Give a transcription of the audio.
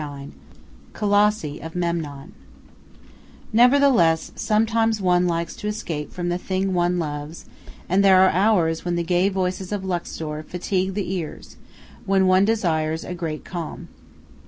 IX COLOSSI OF MEMNON Nevertheless, sometimes one likes to escape from the thing one loves, and there are hours when the gay voices of Luxor fatigue the ears, when one desires a great calm.